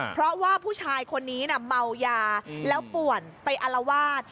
เพราะว่าผู้ชายคนนี้เมายาแล้วป่วนไปอารวาส